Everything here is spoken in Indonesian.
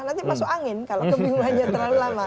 nanti masuk angin kalau kebingungannya terlalu lama